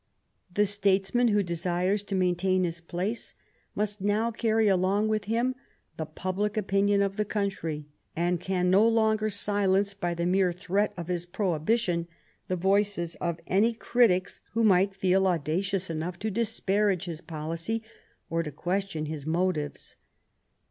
The statesman who desires to maintain his place must now carry along with him the public opinion of the country, and can no longer silence, by the mere threat of his prohibition, the voices of any critics who might feel audacious enough to disparage his policy or to question his motives.